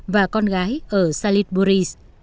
và con gái ở salisbury